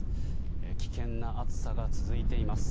危険な暑さが続いています。